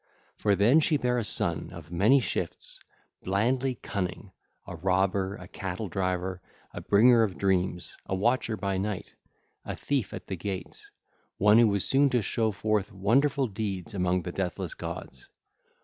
For then she bare a son, of many shifts, blandly cunning, a robber, a cattle driver, a bringer of dreams, a watcher by night, a thief at the gates, one who was soon to show forth wonderful deeds among the deathless gods.